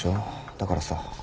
だからさ